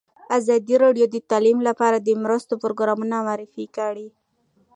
ازادي راډیو د تعلیم لپاره د مرستو پروګرامونه معرفي کړي.